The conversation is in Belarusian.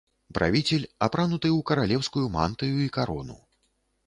Правіцель апрануты ў каралеўскую мантыю і карону.